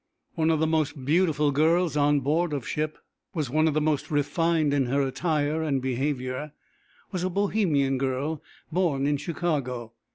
One of the most beautiful girls on board of ship, one of the most refined in her attire and behaviour, was a Bohemian girl born in Chicago.